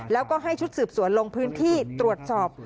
แล้วก็ให้ชุดสืบสวนลงพื้นที่ตรวจสอบ